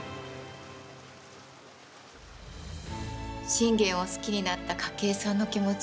信玄を好きになった筧さんの気持ち